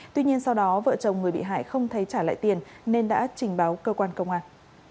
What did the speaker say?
tuy nhiên sau đó vợ chồng người bị hại không thấy trả lại tiền nên đã trình báo cơ quan công an